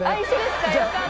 よかった。